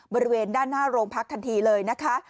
บริเวณด้านหน้าโรงพักทันทีเลยนะคะ